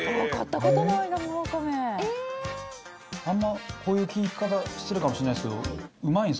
あんま